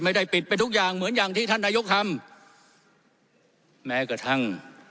ไม่ได้ปิดไปทุกอย่างเหมือนอย่างที่ท่านนายกทำแม้กระทั่ง